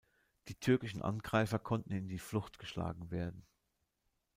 Die türkischen Angreifer konnten in die Flucht geschlagen werden.